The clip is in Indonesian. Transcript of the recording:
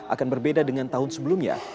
akan berbeda dengan tahun sebelumnya